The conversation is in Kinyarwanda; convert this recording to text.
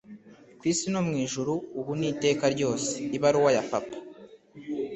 ku isi no mu ijuru, ubu n’iteka ryose”ibaruwa ya papa